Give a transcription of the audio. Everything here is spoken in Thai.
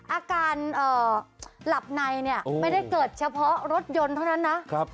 อาการหลับในเนี่ยไม่ได้เกิดเฉพาะรถยนต์เท่านั้นนะ